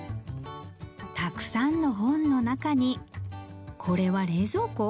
たくさんの本の中にこれは冷蔵庫？